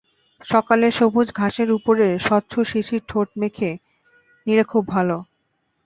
সকালের সবুজ ঘাসের ওপরের স্বচ্ছ শিশির ঠোঁটে মেখে নিলে খুব ভালো।